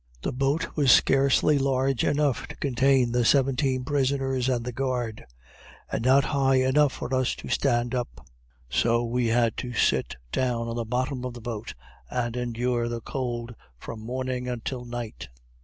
The boat was scarcely large enough to contain the seventeen prisoners, and the guard; and not high enough for us to stand up; so we had to sit down on the bottom of the boat, and endure the cold from morning until night.